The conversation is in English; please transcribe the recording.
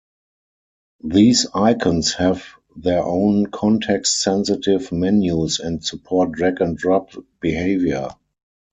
These icons have their own context-sensitive menus and support drag and drop behaviour.